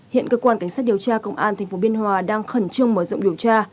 hiện cơ quan cảnh sát điều tra công an tp biên hòa đang khẩn trương mở rộng điều tra